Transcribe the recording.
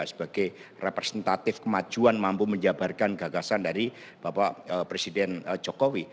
sebagai representatif kemajuan mampu menjabarkan gagasan dari bapak presiden jokowi